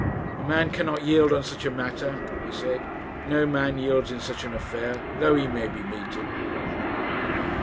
'A man cannot yield on such a matter,' he said. 'No man yields in such an affair, though he may be beaten.'